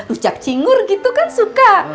ucak cingur gitu kan suka